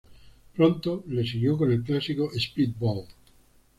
Pronto le siguió con el clásico Speedball.